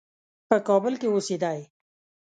په کابل کې اوسېدی.